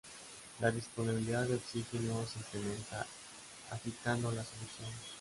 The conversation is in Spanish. La disponibilidad de oxígeno se incrementa agitando la solución.